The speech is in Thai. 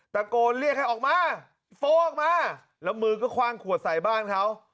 ตะโกนเรียกให้ออกมาโฟกออกมาแล้วมือก็คว่างขวดใส่บ้านเขา